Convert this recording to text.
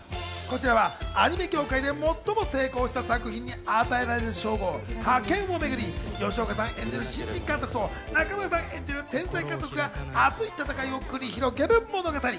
こちらはアニメ業界で最も成功した作品に与えられる称号・覇権をめぐり、吉岡さん演じる新人監督と中村さん演じる天才監督が熱い戦いを繰り広げる物語。